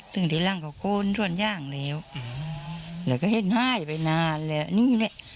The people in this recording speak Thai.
ตึงที่ล่างเขาโกนส่วนย่างแล้วหรือก็เห็นไห้ไปนานแล้วนี่แหละ